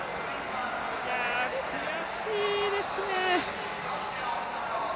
悔しいですね。